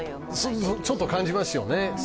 それもちょっと感じますよね。